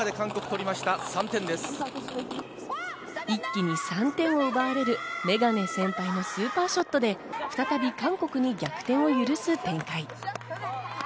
一気に３点を奪われるメガネ先輩のスーパーショットで再び韓国に逆転を許す展開。